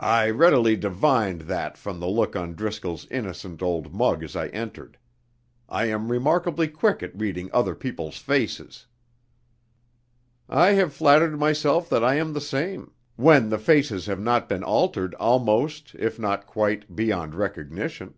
"I readily divined that from the look on Driscoll's innocent old mug as I entered. I am remarkably quick at reading other people's faces." "I have flattered myself that I am the same when the faces have not been altered almost (if not quite) beyond recognition."